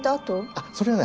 あっそれはね